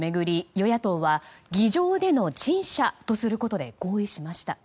与野党は議場での陳謝とすることで合意しました。